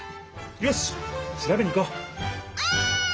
よしっしらべに行こう。